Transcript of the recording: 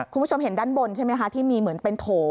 คุณผู้ชมเห็นด้านบนใช่ไหมคะที่มีเหมือนเป็นโถ